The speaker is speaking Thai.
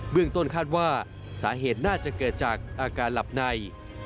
เรื่องต้นคาดว่าสาเหตุน่าจะเกิดจากอาการหลับใน